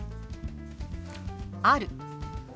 「ある」。